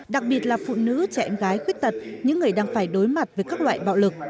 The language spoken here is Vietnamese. đặc biệt là phụ nữ trẻ em gái khuyết tật những người đang phải đối mặt với các loại bạo lực